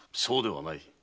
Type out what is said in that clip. そうではない。